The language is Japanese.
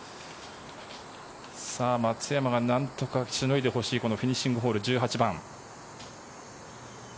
松山がなんとかしのいでほしいこのフィニッシングホール１８番。